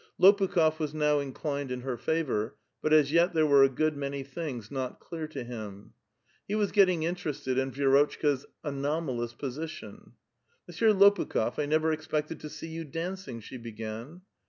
Lopukh6f was now inclined in her favor, but as yet there were a good many things not dear to him. He was getting interested in Vi^rotchka's anomalous \ position. '' Monsieur Lopukh6f, I never expected to see j'ou danc ing," she began.